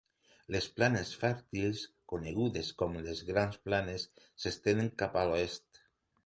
Les planes fèrtils, conegudes com les Grans Planes s'estenen cap a l'oest.